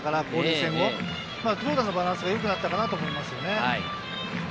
戦後、投打のバランスがよくなったかなと思いますね。